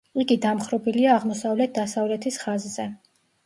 იგი დამხრობილია აღმოსავლეთ-დასავლეთის ხაზზე.